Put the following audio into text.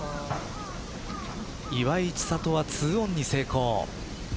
岩井千怜は２オンに成功。